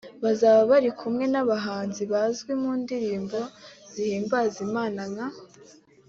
Bazaba bari kumwe n’abahanzi bazwi mu ndirimbo zihimbaza Imana nka